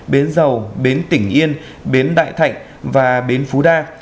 bến giàu bến tỉnh yên bến đại thạnh và bến phú đa